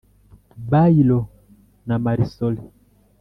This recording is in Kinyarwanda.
bayiro na marisore